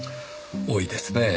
多いですねぇ。